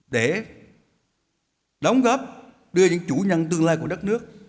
để đóng góp đưa những chủ nhân tương lai của đất nước